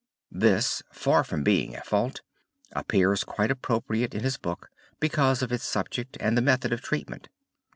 This, far from being a fault, appears quite appropriate in his book because of its subject and the method of treatment.